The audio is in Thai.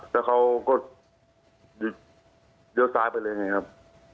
แล้วเขาก็เลี้ยวซ้ายไปเลยไงครับ